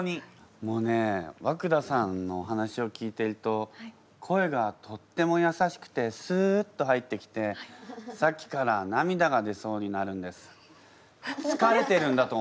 もうね和久田さんの話を聞いてると声がとってもやさしくてスッと入ってきてさっきから涙が出そうになるんです。